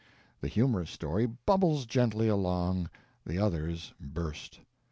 The humorous story bubbles gently along, the others burst.